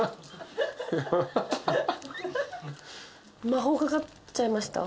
魔法かかっちゃいました？